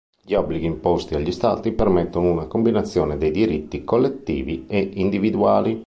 Gli obblighi imposti agli Stati permettono una combinazione dei diritti collettivi e individuali.